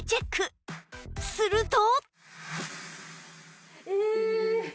すると